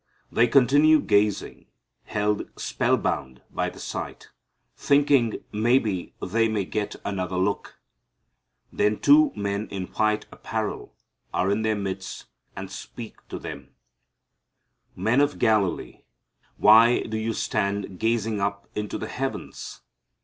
They continue gazing, held spellbound by the sight, thinking maybe they may get another look. Then two men in white apparel are in their midst and speak to them: "Men of Galilee, why do you stand gazing up into the heavens?